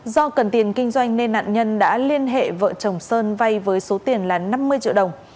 do cần tiền kinh doanh nên nạn nhân đã liên hệ vợ chồng sơn vay với số tiền là năm mươi triệu đồng